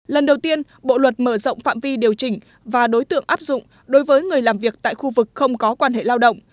lần đầu tiên bộ luật mở rộng phạm vi điều chỉnh và đối tượng áp dụng đối với người làm việc tại khu vực không có quan hệ lao động